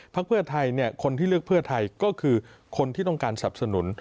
เพื่อไทยคนที่เลือกเพื่อไทยก็คือคนที่ต้องการสับสนุน